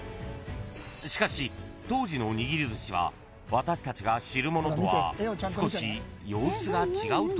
［しかし当時のにぎりずしは私たちが知るものとは少し様子が違うというのです］